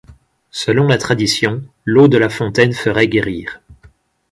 Selon la tradition, l'eau de la fontaine ferait guérir.